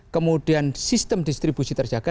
kemudian sistem distribusi terjaga